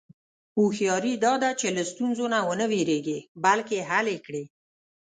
هوښیاري دا ده چې له ستونزو نه و نه وېرېږې، بلکې حل یې کړې.